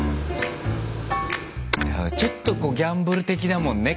ちょっとギャンブル的だもんね